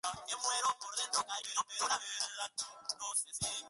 Ha realizado extensas expediciones botánicas por Francia, Suiza, Japón, Madagascar.